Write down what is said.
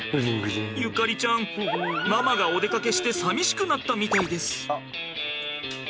縁ちゃんママがお出かけしてさみしくなったみたいです。